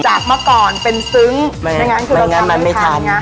จากมาก่อนเป็นซึ้งไม่งั้นคือไม่งั้นมันไม่ทำ